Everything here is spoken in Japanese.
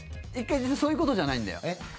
そういうことじゃないんだよ。